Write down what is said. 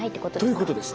ということです。